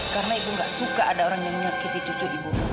karena ibu gak suka ada orang yang menyakiti cucu ibu